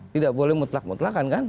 tidak boleh mutlak mutlakkan kan